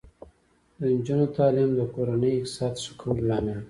د نجونو تعلیم د کورنۍ اقتصاد ښه کولو لامل دی.